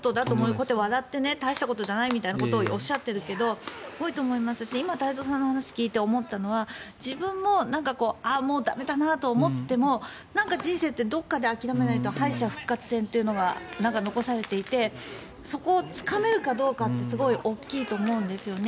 ここで笑って大したことじゃないなんておっしゃってますがそんなことないし今、太蔵さんの話を聞いて思ったのは自分もああ、もう駄目だと思っても人生って、どこかで諦めないと敗者復活戦というのがどこかに残されていてそこをつかめるかどうかってすごい大きいと思うんですよね。